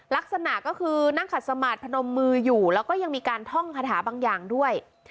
ลักษณะก็คือนั่งขัดสมาธพนมมืออยู่แล้วก็ยังมีการท่องคาถาบางอย่างด้วย